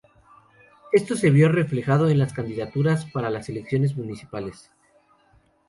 Esto se vio reflejado en las candidaturas para las elecciones municipales.